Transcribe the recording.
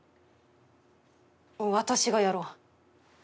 私がやろう。